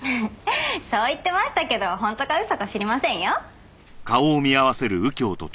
そう言ってましたけど本当か嘘か知りませんよ。